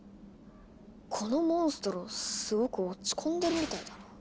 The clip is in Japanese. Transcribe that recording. このモンストロすごく落ち込んでるみたいだな。